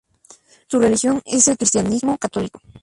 Su religión es el cristianismo católico.